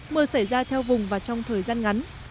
mưa xảy ra theo vùng và trong thời gian ngắn